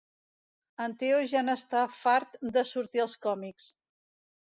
En Teo ja n'està fart de sortir als còmics